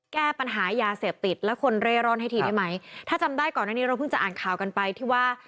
แก้ปัญหายาเสพติดและคนเร่ร่อนให้ทีได้ไหมถ้าจำได้ก่อนหน้านี้เราเพิ่งจะอ่านข่าวกันไปที่ว่า